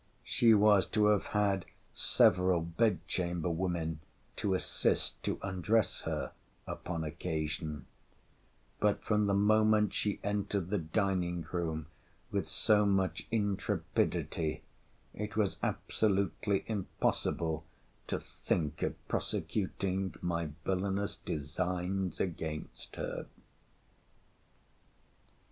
She was to have had several bedchamber women to assist to undress her upon occasion: but from the moment she entered the dining room with so much intrepidity, it was absolutely impossible to think of prosecuting my villanous designs against her.